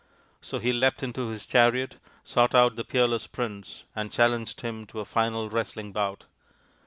So he leapt into his chariot, sought out the peerless prince, and challenged him to a final wrestling bout.